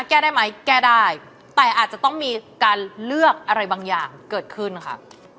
แก้ได้ไหมแก้ได้แต่อาจจะต้องมีการเลือกอะไรบางอย่างเกิดขึ้นค่ะ